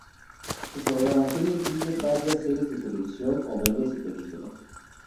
Su programación incluye varias series de televisión, comedias y películas.